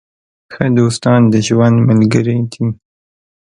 ښه دوستان د ژوند ملګري دي.